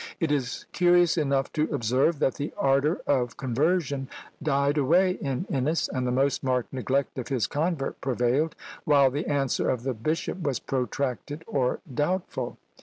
It is curious enough to observe, that the ardour of conversion died away in Innes, and the most marked neglect of his convert prevailed, while the answer of the bishop was protracted or doubtful.